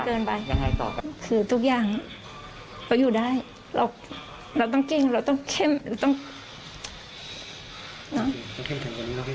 ก็เชื่อเชื่อ